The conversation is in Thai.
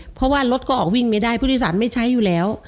เพราะว่ารถก็ออกวิ่งไม่ได้ผู้โดยสารไม่ใช้อยู่แล้ว